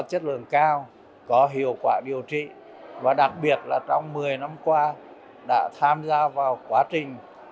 chất lượng cao có hiệu quả điều trị và đặc biệt là trong một mươi năm qua đã tham gia vào quá trình